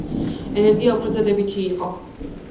ენერგია უფრო დადებითი იყო.